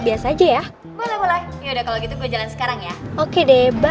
biasa aja ya boleh boleh ya udah kalau gitu gue jalan sekarang ya oke deh bye bye bye